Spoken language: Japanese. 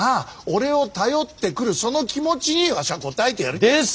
俺を頼ってくるその気持ちにわしは応えてやりてえんだ。